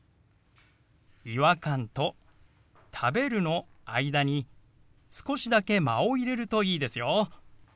「違和感」と「食べる」の間に少しだけ間を入れるといいですよ。